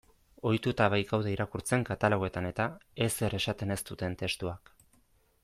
Ohituta baikaude irakurtzen, katalogoetan-eta, ezer esaten ez duten testuak.